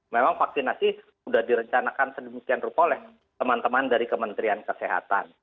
memang vaksinasi sudah direncanakan sedemikian rupa oleh teman teman dari kementerian kesehatan